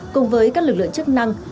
cùng với các lực lượng chức năng